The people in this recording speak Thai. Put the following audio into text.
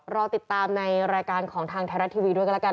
รอติดตามในรายการของทางไทยรัฐทีวีด้วยกันแล้วกัน